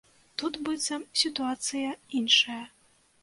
Тут, быццам, сітуацыя іншая.